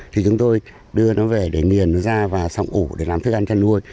thì chúng tôi đưa nó về để miền nó ra và xong ủ để làm thức ăn chăn nuôi